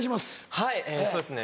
はいそうですね